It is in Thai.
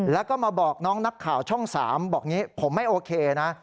แล้วก็มาบอกน้องนักข่าวช่อง๓บอกอย่างนี้ผมไม่โอเคนะ